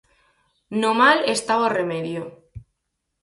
No mal estaba o remedio.